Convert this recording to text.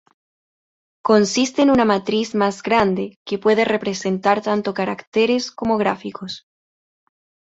Consiste en una matriz más grande, que puede representar tanto caracteres como gráficos.